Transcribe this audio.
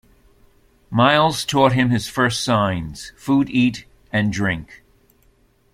Miles taught him his first signs, "food-eat" and "drink".